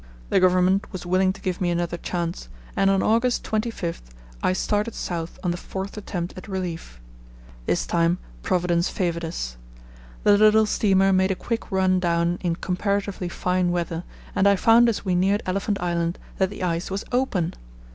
The Government was willing to give me another chance, and on August 25 I started south on the fourth attempt at relief. This time Providence favoured us. The little steamer made a quick run down in comparatively fine weather, and I found as we neared Elephant Island that the ice was open.